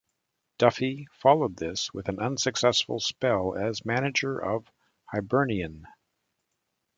Duffy followed this with an unsuccessful spell as manager of Hibernian.